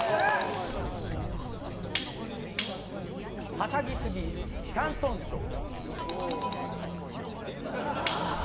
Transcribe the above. はしゃぎすぎシャンソンショー。